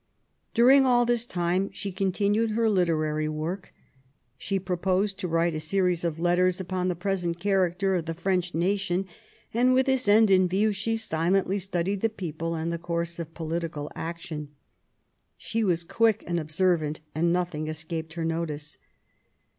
During all this time she continued her literary work. She proposed to write a series of letters upon the pre . sent character of the French nation, and with this end in view she silently studied the people and the course of political action. She was quick and observant, and nothing escaped her notice.